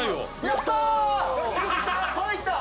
やった！